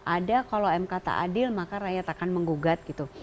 ada kalau mk tak adil maka rakyat akan menggugat gitu